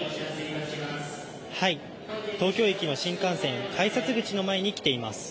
東京駅の新幹線改札口の前に来ています。